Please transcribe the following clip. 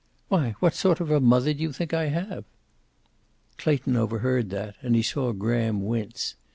"Why, what sort of a mother do you think I have?" Clayton overheard that, and he saw Graham wince.